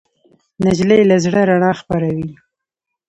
نجلۍ له زړه رڼا خپروي.